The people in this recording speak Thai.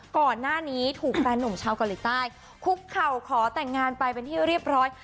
ก่อนหน้านี้ถูกแฟนหนุ่มชาวเกาหลีใต้คุกเข่าขอแต่งงานไปเป็นที่เรียบร้อย